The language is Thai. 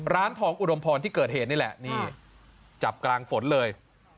ร้านทองอุดมพรที่เกิดเหตุนี่แหละนี่จับกลางฝนเลย